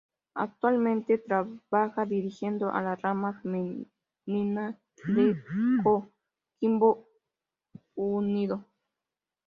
Actualmente trabaja dirigiendo a la rama femenina de Coquimbo Unido.